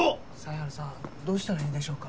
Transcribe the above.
犀原さんどうしたらいいんでしょうか？